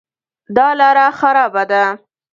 دا لاره خرابه ده